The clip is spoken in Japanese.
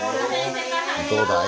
どうだい？